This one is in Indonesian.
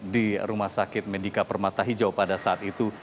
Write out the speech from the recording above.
di rumah sakit medika permata hijau pada saat itu